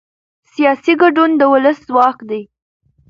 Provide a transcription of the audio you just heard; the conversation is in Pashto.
سیاسي ګډون د ولس ځواک دی